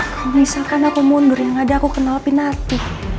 kalo misalkan aku mundur yang ada aku kena alpinati